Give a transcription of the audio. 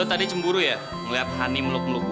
lo tadi cemburu ya ngeliat hani meluk meluk gue